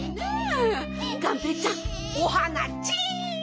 がんぺーちゃんおはなちん。